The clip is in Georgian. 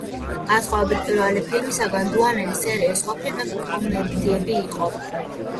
განსხვავებით პირველი ფილმისგან, დუანელის სერიის სხვა ფილმები კომედიები იყო.